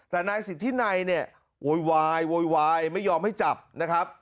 แต่นายสิทธินัยเนี่ยโวยวายโวยวายไม่ยอมให้จับนะครับ